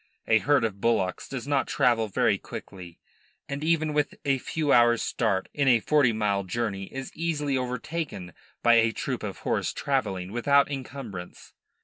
A herd of bullocks does not travel very quickly, and even with a few hours' start in a forty mile journey is easily over taken by a troop of horse travelling without encumbrance.